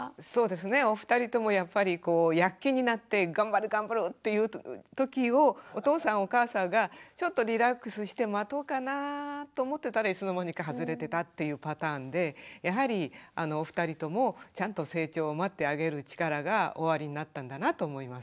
お二人ともやっぱり躍起になって頑張る頑張るというときをお父さんお母さんがちょっとリラックスして待とうかなと思ってたらいつの間にか外れてたっていうパターンでやはりお二人ともちゃんと成長を待ってあげる力がおありになったんだなと思います。